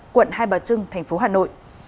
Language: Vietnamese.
quận hai bà trưng tp hà nội